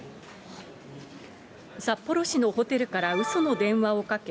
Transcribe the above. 札幌市のホテルからうその電話をかけ、